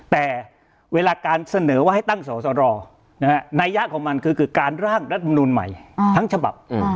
แต่เวลาการเสนอว่าให้ตั้งสอสรอนัยยะของมันคือการร่างรัฐมนูลใหม่ทั้งฉบับ